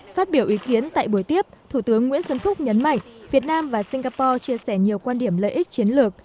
phát biểu ý kiến tại buổi tiếp thủ tướng nguyễn xuân phúc nhấn mạnh việt nam và singapore chia sẻ nhiều quan điểm lợi ích chiến lược